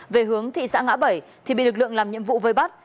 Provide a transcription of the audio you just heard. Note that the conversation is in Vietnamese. về hướng thị xã ngã bảy thì bị lực lượng làm nhiệm vụ vây bắt